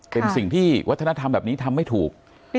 เป็นสิ่งที่วัฒนธรรมแบบนี้ทำไม่ถูก